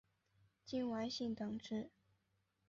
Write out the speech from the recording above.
金丸信等职。